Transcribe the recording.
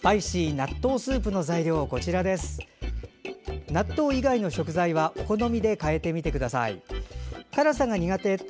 納豆以外の食材はお好みで変えてみてください。